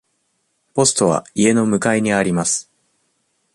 ポストは家の向かいにあります。